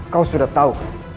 kau sudah tau